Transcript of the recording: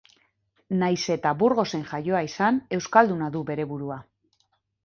Nahiz eta Burgosen jaioa izan, euskalduna du bere burua.